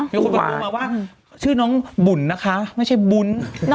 มีคนไปพูดมาว่าชื่อน้องบุญนะคะไม่ใช่บุญ